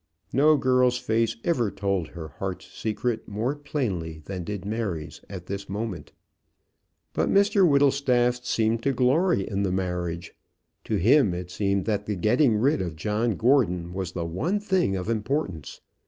No girl's face ever told her heart's secret more plainly than did Mary's at this moment. But Mr Whittlestaff seemed to glory in the marriage. To him it seemed that the getting rid of John Gordon was the one thing of importance.